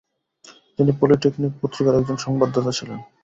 তিনি পলিটকেন পত্রিকার একজন সংবাদদাতা ছিলেন।